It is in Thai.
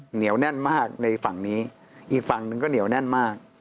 เหนียวแน่นมากในฝั่งนี้อีกฝั่งหนึ่งก็เหนียวแน่นมาก